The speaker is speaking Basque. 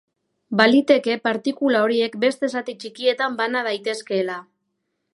Baliteke partikula horiek beste zati txikietan bana daitezkeela.